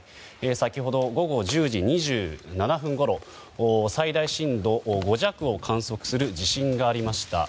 先ほど、午後１０時２７分ごろ最大震度５弱を観測する地震がありました。